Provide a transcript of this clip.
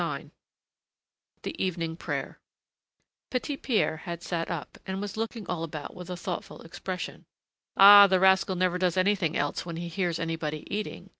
IX THE EVENING PRAYER Petit Pierre had sat up, and was looking all about with a thoughtful expression. "Ah! the rascal never does anything else when he hears anybody eating!"